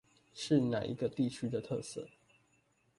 是那一個地區的特色？